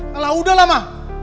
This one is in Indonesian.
kalau udahlah ma